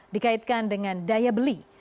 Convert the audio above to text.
dikaitkan dengan daya beli